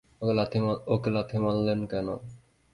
ওকে লাথি মারলেন কেন?